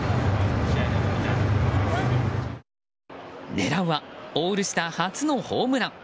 狙うはオールスター初のホームラン。